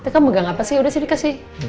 itu kan megang apa sih udah sini kasih